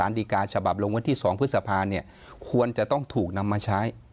ดีกาฉบับลงวันที่๒พฤษภาเนี่ยควรจะต้องถูกนำมาใช้